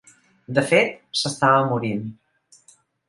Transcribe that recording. De fet, s'estava morint.